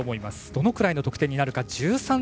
どのぐらいの得点になるか。